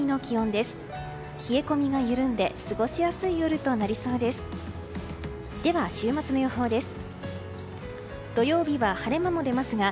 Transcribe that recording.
では、週末の予報です。